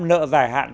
nợ dài hạn